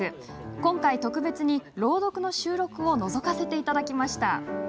今回、特別に朗読の収録をのぞかせてもらいました。